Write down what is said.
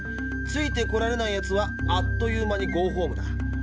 ついてこられないやつはあっという間にゴーホームだ。